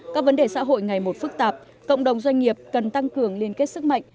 các vấn đề xã hội ngày một phức tạp cộng đồng doanh nghiệp cần tăng cường liên kết sức mạnh